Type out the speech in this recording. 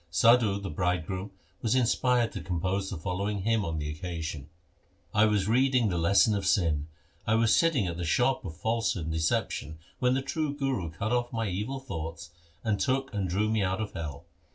Sadhu the bride groom was inspired to compose the following hymn on the occasion :— I was reading the lesson 1 of sin ; I was sitting at the shop of falsehood and deception, When the true Guru cut off my evil thoughts, And took and drew me out of hell.